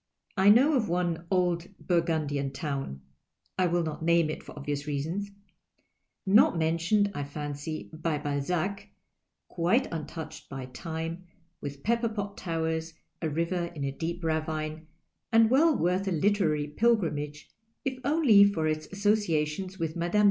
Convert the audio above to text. I know of one old Burgimdian town — I will not name it, for obvious reasons— not men tioned, I fancy, by Balzac, quite untouched by time, with pepi)er pot towers, a river in a deep ravine, and well worth a literary pilgrimage if only for its asso ciations with Mme.